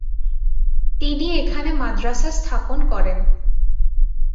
তিনি এখানে মাদ্রাসা স্থাপনা করেন।